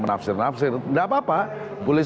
menafsir nafsir enggak apa apa boleh